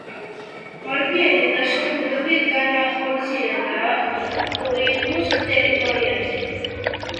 მარბიელი ლაშქრობები განახორციელა აყ-ყოინლუს ტერიტორიებზე.